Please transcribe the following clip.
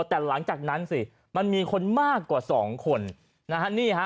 แต่หลังจากนั้นสิมันมีคนมากกว่าสองคนนะฮะนี่ฮะ